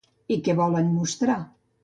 I què volen mostrar?